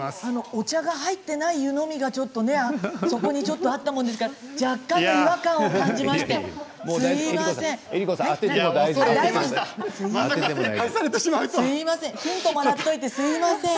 お茶が入っていない湯飲みがそこにあったものですから若干、違和感を感じましてすみません。